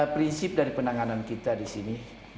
prinsip dari penanganan kita disini